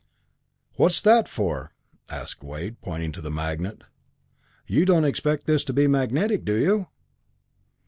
"What's that for?" asked Wade, pointing to the magnet. "You don't expect this to be magnetic, do you?"